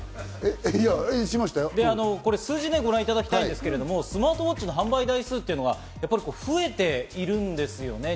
数字をご覧いただきたいんですけど、スマートウォッチの販売台数っていうのは増えているんですよね。